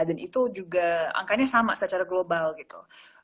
itu juga angkanya sama secara global gitu